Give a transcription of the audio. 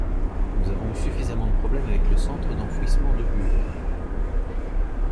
Nous avons eu suffisamment de problèmes avec le centre d’enfouissement de Bure.